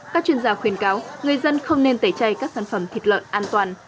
các chuyên gia khuyên cáo người dân không nên tẩy chay các sản phẩm thịt lợn an toàn